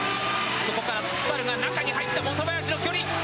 そこから突っ張るが中に入った、元林の距離。